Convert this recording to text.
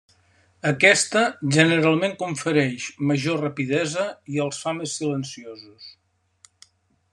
Aquesta generalment confereix major rapidesa i els fa més silenciosos.